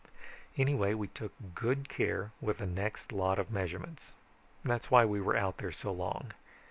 "Anyway, we took good care with the next lot of measurements. That's why we were out there so long.